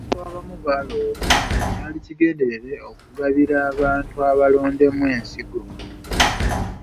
Abantu abamu baalowooza nti kyali kigenderere okugabira abantu abalondemu ensigo .